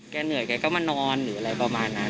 เหนื่อยแกก็มานอนหรืออะไรประมาณนั้น